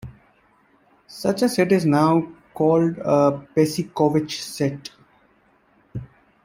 Such a set is now called a Besicovitch set.